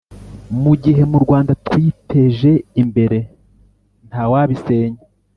mu gihe murwanda twiteje imbere ntawabisenya